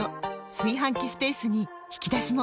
炊飯器スペースに引き出しも！